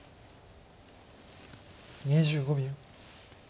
２５秒。